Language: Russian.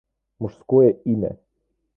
Мужское имя